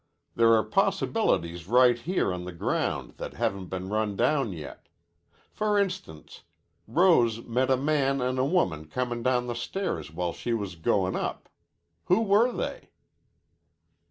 There are possibilities right here on the ground that haven't been run down yet. For instance, Rose met a man an' a woman comin' down the stairs while she was goin' up. Who were they?"